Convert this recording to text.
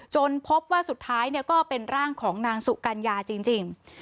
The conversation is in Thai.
พบว่าสุดท้ายก็เป็นร่างของนางสุกัญญาจริง